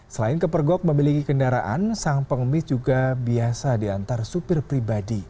selain kepergok memiliki kendaraan sang pengemis juga biasa diantar supir pribadi